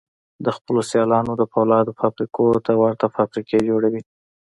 د خپلو سيالانو د پولادو فابريکو ته ورته فابريکې جوړوي.